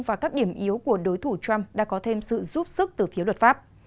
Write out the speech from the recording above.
và các điểm yếu của đối thủ trump đã có thêm sự giúp sức từ phía luật pháp